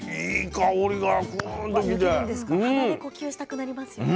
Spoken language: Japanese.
鼻で呼吸したくなりますよね。